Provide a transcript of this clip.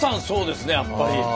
そうですねやっぱり。